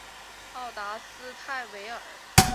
奥达斯泰韦尔。